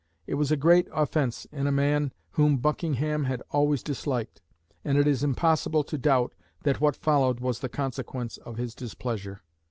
It was a great offence in a man whom Buckingham had always disliked; and it is impossible to doubt that what followed was the consequence of his displeasure.